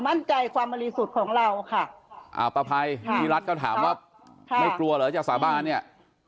มั่นใจความบริสุทธิ์ของเราค่ะอ่าประภัยพี่รัฐก็ถามว่าไม่กลัวเหรอจะสาบานเนี่ย